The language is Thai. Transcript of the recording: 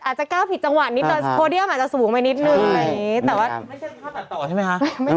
อาจจะก้าวผิดจังหวะนิดหน่อยโพเดียมอาจจะสูงไปนิดหนึ่งเท่านี้